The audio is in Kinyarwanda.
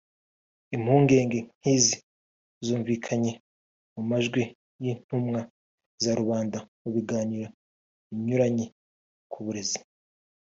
Impungenge nk’izi zumvikanye mu majwi y’intumwa za rubanda mu biganiro binyuranye ku burezi